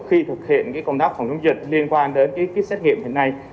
khi thực hiện cái công tác phòng chống dịch liên quan đến cái kít sách nghiệp hiện nay